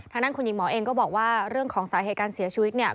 ฉะนั้นคุณหญิงหมอเองก็บอกว่าเรื่องของสาเหตุการณ์เสียชีวิต